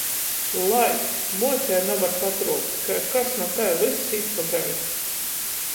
Lai. Muotei navar patruopt. Kai kas na tai, vyss īt pa gaisu.